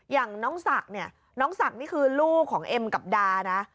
อย่างน้องศักดิ์เนี่ยน้องศักดิ์นี่คือลูกของเอ็มกับดานะ